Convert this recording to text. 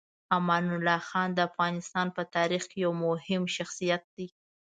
امان الله خان د افغانستان په تاریخ کې یو مهم شخصیت دی.